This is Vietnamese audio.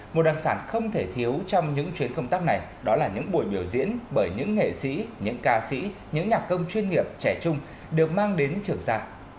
một đặc sản không thể thiếu trong những chuyến công tác này đó là những buổi biểu diễn bởi những nghệ sĩ những ca sĩ những nhạc công chuyên nghiệp trẻ chung được mang đến trường xa